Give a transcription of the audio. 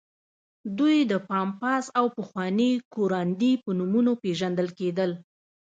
دوی د پامپاس او پخواني کوراندي په نومونو پېژندل کېدل.